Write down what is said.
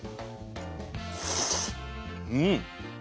うん！